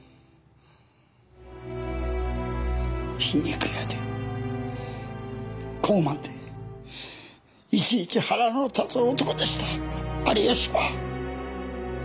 皮肉屋で高慢でいちいち腹の立つ男でした有吉は！